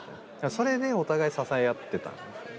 それでお互い支え合ってた。